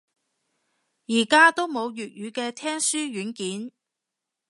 而家都冇粵語嘅聽書軟件